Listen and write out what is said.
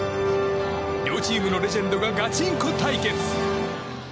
両チームのレジェンドがガチンコ対決。